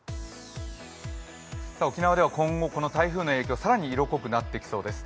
沖縄では今後、この台風の影響、更に色濃くなってきそうです。